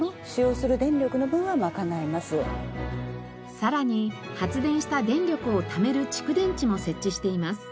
さらに発電した電力をためる蓄電池も設置しています。